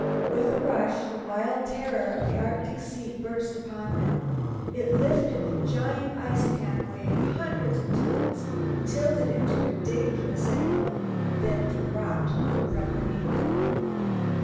With a rush the wild terror of the Arctic sea burst upon them. It lifted the giant ice pan weighing hundreds of tons, tilted it to a dangerous angle, then dropped from beneath it.